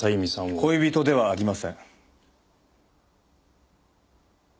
恋人ではありません。